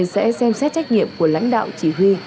sẽ xem xét trách nhiệm của lãnh đạo chỉ huy